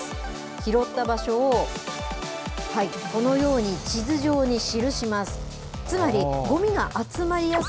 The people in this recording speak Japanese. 拾った場所をこのように地図上に記します。